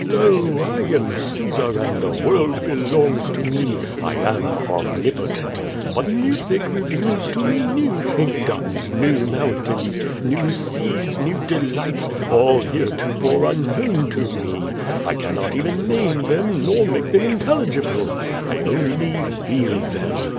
Lo, I am Cae sar and the world belongs to me. I am omnipotent. But music reveals to me new kingdoms, new mountians, new seas, new delights, all heretofore unknowTi to me. I cannot even name them, nor make them intelligible. I only feel them.